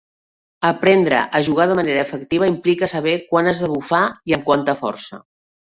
Aprendre a jugar de manera efectiva implica saber quan has de bufar i amb quanta força.